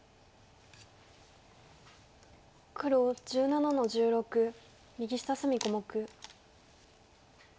黒１７の十六右下隅小目。